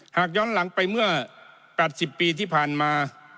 หากย้อนหลังไปเมื่อ๘๐ปีที่ผ่านมา